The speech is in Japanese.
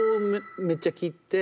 めっちゃ切って。